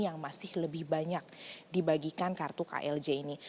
yang masih lebih banyak dibagikan kartu klj ini